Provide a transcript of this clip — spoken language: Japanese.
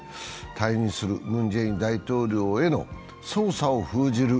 退任するムン・ジェイン大統領への捜査を封じる